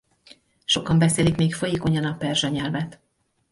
Sokan beszélik még folyékonyan a perzsa nyelvet.